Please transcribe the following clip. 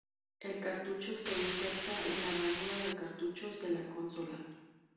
El cartucho se inserta en la ranura de cartuchos de la consola.